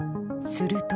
すると。